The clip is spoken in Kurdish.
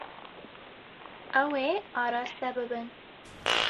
Ew ê araste bibin.